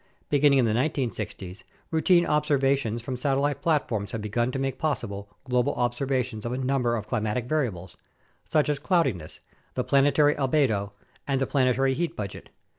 Beginning in the 1960's, routine ob servations from satellite platforms have begun to make possible global observations of a number of climatic variables, such as cloudiness, the planetary albedo, and the planetary heat budget.